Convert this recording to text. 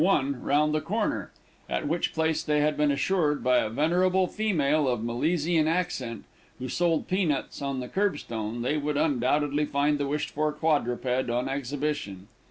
1 'round the corner," at which place they had been assured, by a venerable female of Milesian accent who sold peanuts on the curb stone, they would undoubtedly find the wished for quadruped on exhibition.